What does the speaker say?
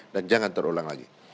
dan jangan terulang lagi